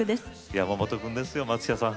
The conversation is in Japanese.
山本君ですよ、松下さん。